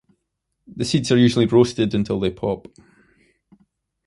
The seeds are usually roasted until they pop.